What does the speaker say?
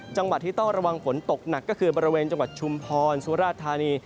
จังหวัดที่ต้องระวังฝนตกหนักก็คือบริเวณจังหวัดชุมพรสุราธานี